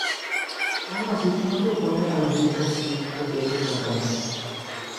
Aun así, no se opone a las líricas explícitas de otros cantantes.